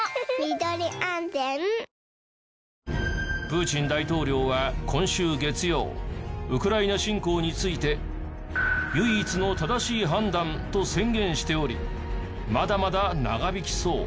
プーチン大統領は今週月曜ウクライナ侵攻について唯一の正しい判断と宣言しておりまだまだ長引きそう。